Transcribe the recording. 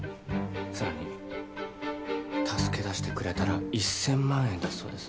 更に助けだしてくれたら１，０００万円だそうです。